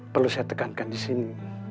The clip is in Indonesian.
perlu saya tekankan disini